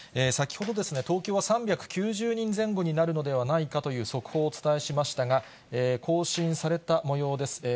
先ほど、東京は３９０人前後になるのではないかという速報をお伝えしましたが、更新されたもようです。